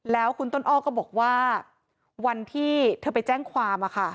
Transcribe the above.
แล้วคุณต้นอ้อก็บอกว่าวันที่เธอไปแจ้งความ